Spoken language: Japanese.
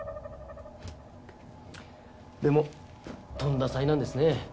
でもとんだ災難ですね。